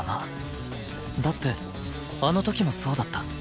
だってあの時もそうだった